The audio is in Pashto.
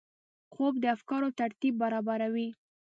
خوب د افکارو ترتیب برابروي